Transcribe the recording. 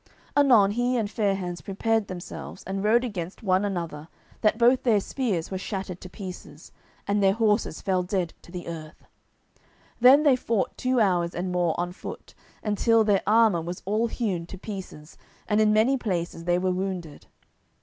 Anon he and Fair hands prepared themselves and rode against one another that both their spears were shattered to pieces, and their horses fell dead to the earth. Then they fought two hours and more on foot, until their armour was all hewn to pieces, and in many places they were wounded.